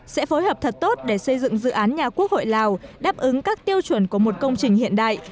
sẽ phối hợp thật tốt để xây dựng dự án nhà quốc hội lào đáp ứng các tiêu chuẩn của một công trình hiện đại